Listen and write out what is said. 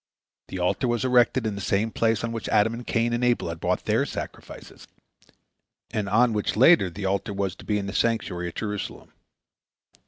The altar was erected in the same place on which Adam and Cain and Abel had brought their sacrifices, and on which later the altar was to be in the sanctuary at Jerusalem.